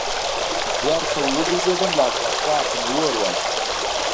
بېرته وګرځېدم لابراتوار ته مې اور واچوه.